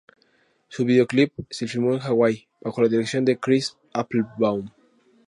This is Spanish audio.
Su videoclip se filmó en Hawái, bajo la dirección de Chris Applebaum.